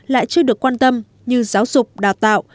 lại chưa được quan tâm như giáo dục đào tạo